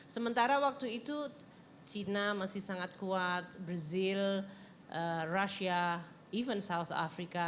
sementara waktu itu china masih sangat kuat brazil russia even south africa